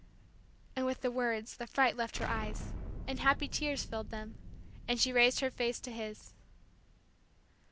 And with the words the fright left her eyes, and happy tears filled them, and she raised her face to his.